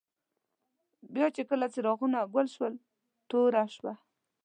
بیا چي کله څراغونه ګل شول، توره شوه.